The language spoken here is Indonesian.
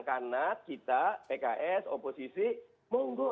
karena kita pks oposisi mengunggu